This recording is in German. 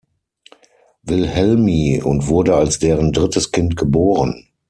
Wilhelmi, und wurde als deren drittes Kind geboren.